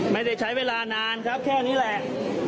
ไม่ได้ใช้เวลานานครับแค่นี้แหละ